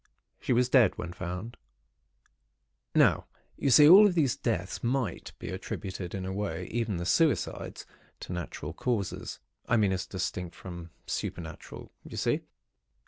She was dead, when found. "Now, you see, all of these deaths might be attributed in a way—even the suicides—to natural causes, I mean, as distinct from supernatural. You see?